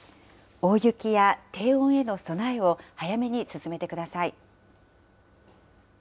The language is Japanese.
大雪や低温への備えを早めに進めてください。